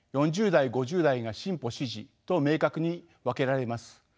４０代５０代が進歩支持と明確に分けられます。